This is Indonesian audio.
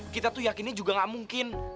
kita tuh yakini juga gak mungkin